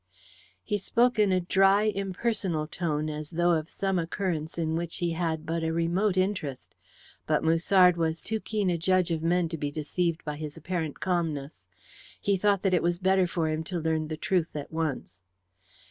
He spoke in a dry impersonal tone as though of some occurrence in which he had but a remote interest, but Musard was too keen a judge of men to be deceived by his apparent calmness. He thought that it was better for him to learn the truth at once.